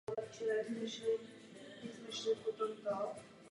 Krátkodobě spolupracoval i s televizí Nova Sport.